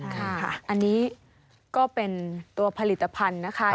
ค่ะอันนี้ก็เป็นตัวผลิตภัณฑ์นะคะ